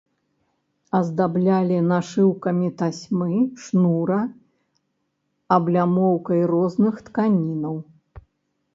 Аздаблялі нашыўкамі тасьмы, шнура, аблямоўкай розных тканінаў.